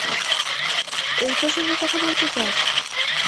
এই প্রসঙ্গে কথা বলতে চাস?